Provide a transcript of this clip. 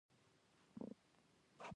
اداري اصلاحات د سیسټم ښه کول دي